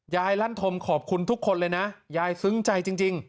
ลั่นธมขอบคุณทุกคนเลยนะยายซึ้งใจจริง